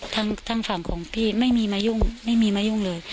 ทางฝั่งของพี่ไม่มีมายุ่งไม่มีมายุ่งเลย